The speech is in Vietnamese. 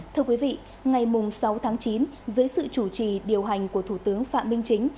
thưa quý vị ngày sáu tháng chín dưới sự chủ trì điều hành của thủ tướng phạm minh chính